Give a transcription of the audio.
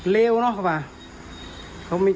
เร็วเนอะครับว่า